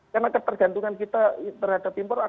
karena ketergantungan kita terhadap impor